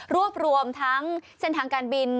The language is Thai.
รวมทั้งเส้นทางการบิน